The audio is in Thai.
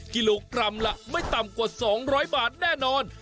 กิโลกรัมละไม่ต่ำกว่า๒๐๐บาทแน่นอน